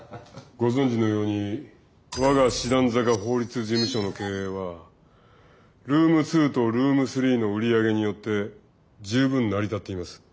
ご存じのように我が師団坂法律事務所の経営はルーム２とルーム３の売り上げによって十分成り立っています。